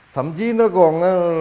thậm chí nó còn